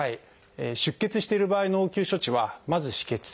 出血している場合の応急処置はまず「止血」。